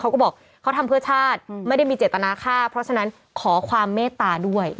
เขาก็บอกเขาทำเพื่อชาติไม่ได้มีเจตนาฆ่าเพราะฉะนั้นขอความเมตตาด้วย